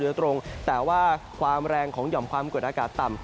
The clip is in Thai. โดยตรงแต่ว่าความแรงของหย่อมความกดอากาศต่ำ